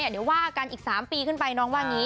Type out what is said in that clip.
เดี๋ยวว่ากันอีก๓ปีขึ้นไปน้องว่างี้